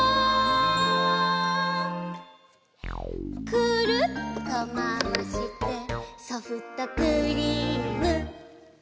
「くるっとまわしてソフトクリーム」